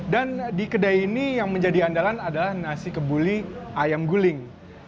dan di kedai ini yang menjadi andalan adalah nasi kebuli ayam guling